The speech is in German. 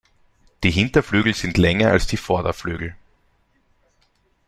Die Hinterflügel sind länger als die Vorderflügel.